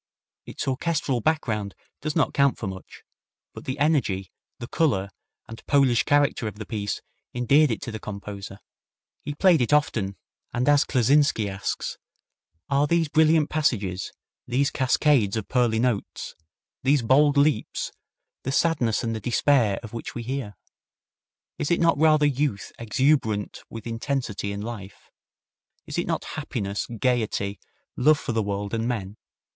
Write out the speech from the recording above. Its orchestral background does not count for much, but the energy, the color and Polish character of the piece endeared it to the composer. He played it often, and as Kleczynski asks, "Are these brilliant passages, these cascades of pearly notes, these bold leaps the sadness and the despair of which we hear? Is it not rather youth exuberant with intensity and life? Is it not happiness, gayety, love for the world and men?